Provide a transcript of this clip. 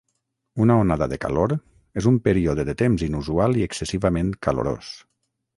Una onada de calor és un període de temps inusual i excessivament calorós.